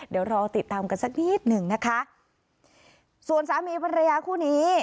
เดี๋ยวรอติดตามกันสักนิดหนึ่งนะคะส่วนสามีภรรยาคู่นี้